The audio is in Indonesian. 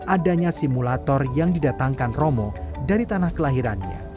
adanya simulator yang didatangkan romo dari tanah kelahirannya